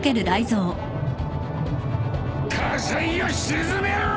火災を鎮めろ！